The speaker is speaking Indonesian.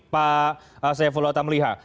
pak saifullah otamliha